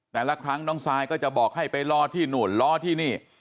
แต่ละครั้งน้องซายก็จะบอกให้ไปรอที่นู่นรอที่นี่